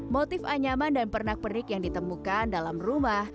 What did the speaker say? motif anyaman dan pernak pernik yang ditemukan dalam rumah